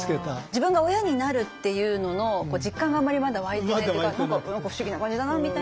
自分が親になるっていうのの実感があまりまだ湧いてないっていうか何か不思議な感じだなみたいな。